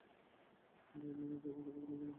আর আমি তাদেরকে কিছুকালের জন্য জীবনোপভোগ করতে দিলাম।